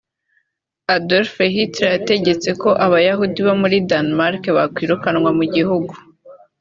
Adolf Hitler yategetse ko abayahudi bo muri Danmark bakwirukanwa mu gihugu